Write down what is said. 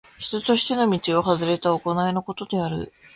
人としての道をはずれた行いのこと。